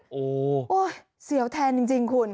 โอ้โหเสียวแทนจริงคุณ